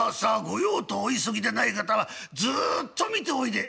御用とお急ぎでない方はずっと見ておいで』」。